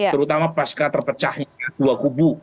terutama pasca terpecahnya dua kubu